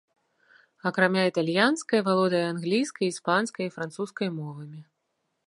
Акрамя італьянскай, валодае англійскай, іспанскай і французскай мовамі.